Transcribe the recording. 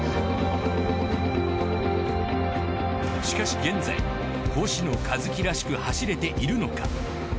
しかし現在星野一樹らしく走れているのか。